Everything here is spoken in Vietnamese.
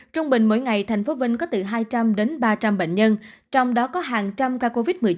trung bình mỗi ngày tp vinh có từ hai trăm linh đến ba trăm linh bệnh nhân trong đó có hàng trăm ca covid một mươi chín